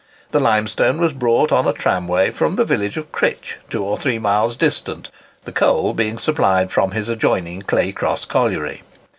The limestone was brought on a tramway from the village of Crich, 2 or 3 miles distant, the coal being supplied from his adjoining Claycross colliery.